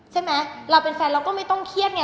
ใช่ไหมเราเป็นแฟนเราก็ไม่ต้องเครียดไง